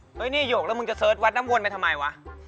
เฮ้ยนี่หยกแล้วมึงจะเสิร์ชวัดน้ำวนไปทำไมวะ